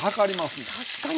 確かに。